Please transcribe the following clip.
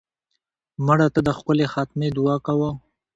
مړه ته د ښکلې خاتمې دعا کوو